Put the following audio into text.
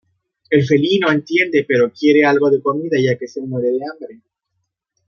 El felino entiende, pero quiere algo de comida ya que se muere de hambre.